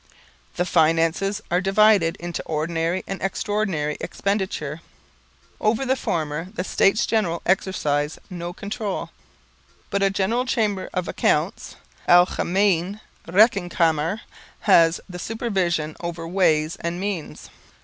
The finances are divided into ordinary and extraordinary expenditure, over the former the States General exercise no control, but a general Chamber of Accounts (Algemeene Rekenkamer) has the supervision over ways and means.